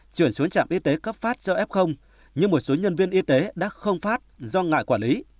chuyển xuống trạm y tế cấp phát cho f nhưng một số nhân viên y tế đã không phát do ngại quản lý